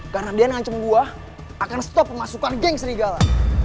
karena dian ngancam gue akan stop pemasukan geng serigala